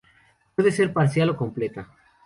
Puede ser parcial o completa.